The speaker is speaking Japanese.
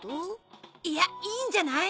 いやいいんじゃない？